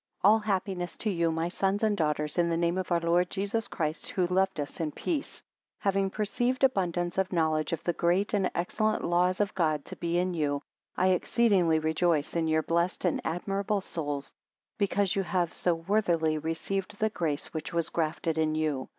ALL happiness to you my sons and daughters, in the name of our Lord Jesus Christ, who loved us, in peace. 2 Having perceived abundance of knowledge of the great and excellent laws of God to be in you, I exceedingly rejoice in your blessed and admirable souls, because ye have so worthily received the grace which was grafted in you.